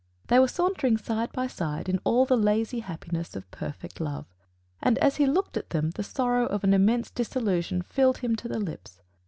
They were sauntering side by side in all the lazy happiness of perfect love; and as he looked at them the sorrow of an immense disillusion filled him to the lips.